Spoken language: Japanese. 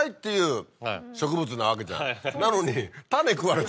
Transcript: なのに。